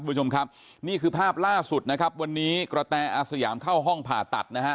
คุณผู้ชมครับนี่คือภาพล่าสุดนะครับวันนี้กระแตอาสยามเข้าห้องผ่าตัดนะฮะ